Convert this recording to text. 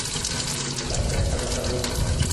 কিন্তু কাস্পিয়ান সাগর তার ব্যতিক্রম।